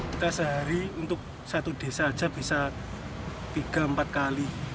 kita sehari untuk satu desa saja bisa tiga empat kali